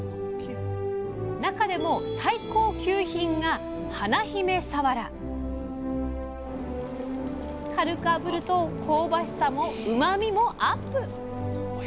中でも最高級品が軽くあぶると香ばしさもうまみもアップ！